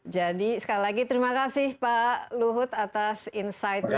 jadi sekali lagi terima kasih pak luhut atas insight nya